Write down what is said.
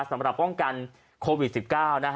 สำหรับป้องกันโควิด๑๙นะฮะ